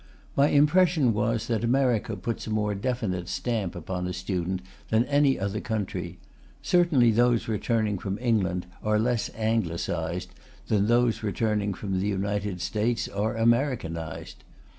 My impression was that America puts a more definite stamp upon a student than any other country; certainly those returning from England are less Anglicized than those returning from the United States are Americanized.